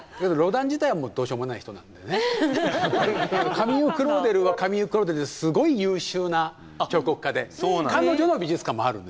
カミーユ・クローデルはカミーユ・クローデルですごい優秀な彫刻家で彼女の美術館もあるんですよ。